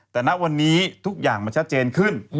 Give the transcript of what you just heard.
แต่ณวันนี้ทุกอย่างมันชัดเจนขึ้น